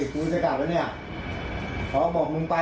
เขาก็ด่อพ่อผม